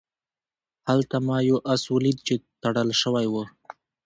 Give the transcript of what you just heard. هلته ما یو آس ولید چې تړل شوی و.